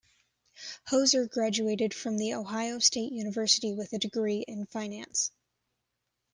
Houser graduated from The Ohio State University with a degree in Finance.